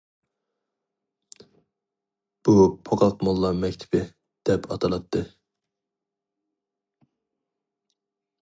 بۇ «پوقاق موللام مەكتىپى» دەپ ئاتىلاتتى.